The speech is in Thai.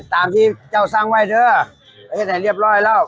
ตามที่เจ้าสร้างไว้เถอะประเทศไหนเรียบร้อยแล้ว